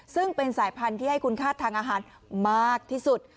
ซึ่งเป็นสายพันธุ์ที่ให้คุณค่าทางอาหารมากที่สุด